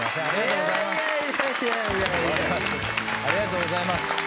ありがとうございます。